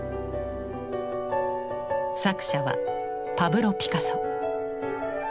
作者はパブロ・ピカソ。